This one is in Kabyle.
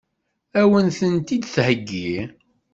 Ad wen-tent-id-theggi?